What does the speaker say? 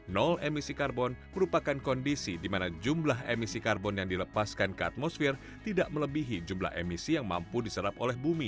nol emisi karbon merupakan kondisi di mana jumlah emisi karbon yang dilepaskan ke atmosfer tidak melebihi jumlah emisi yang mampu diserap oleh bumi